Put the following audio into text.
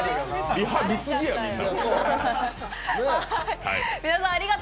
リハ、見過ぎや、みんな。